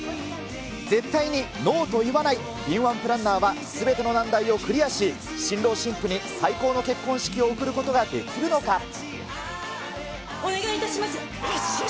絶対にノーと言わない敏腕プランナーは、すべての難題をクリアし、新郎新婦に最高の結婚式を贈ることができるのか。